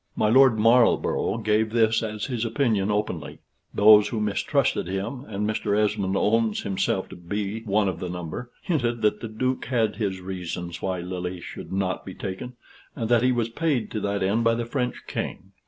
My Lord Marlborough gave this as his opinion openly; those who mistrusted him, and Mr. Esmond owns himself to be of the number, hinted that the Duke had his reasons why Lille should not be taken, and that he was paid to that end by the French King.